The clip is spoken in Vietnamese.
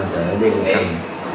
tại vì nó xác điều nhận không